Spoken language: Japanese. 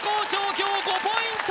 今日５ポイント